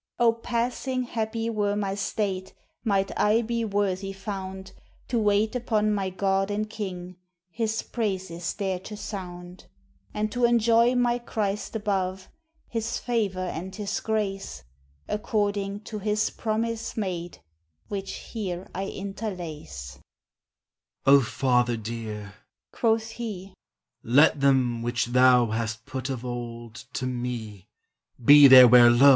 Oh! passing happy were my state, Might I be worthy found To wait upon my God and king, His praises there to sound; And to enjoy my Christ above, His favor and His grace, According to His promise made, Which here I interlace: "O Father dear," quoth He, "let them Which Thou hast put of old To me, be there where lo!